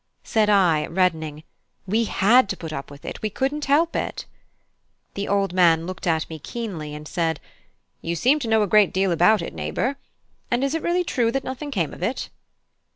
Said I, reddening: "We had to put up with it; we couldn't help it." The old man looked at me keenly, and said: "You seem to know a great deal about it, neighbour! And is it really true that nothing came of it?"